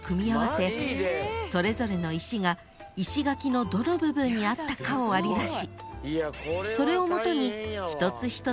それぞれの石が石垣のどの部分にあったかを割り出し］